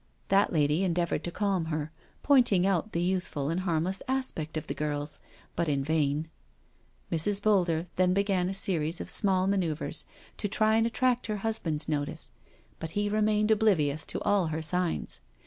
That lady endeavoured to calm her, pointing out the youthful and harmless aspect of the girls, but in vain. Mrs. Boulder then began a series of small ma noeuvres to try and attract her husband's notice — but he remained oblivious to all her signs.